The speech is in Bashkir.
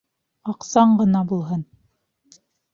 Аҡсаң ғына булһын.